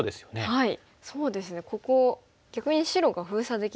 はい。